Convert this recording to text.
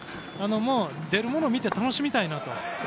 もう出るもの見て楽しみたいなと。